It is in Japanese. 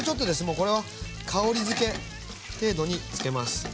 もうこれは香り付け程度に付けます。